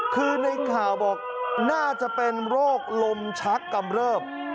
คือในข่าวบอกน่าจะเป็นโรคลมชักกำเริบ